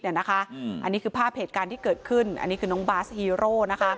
อันนี้คือภาพเหตุการณ์ที่เกิดขึ้นอันนี้คือน้องบาสฮีโร่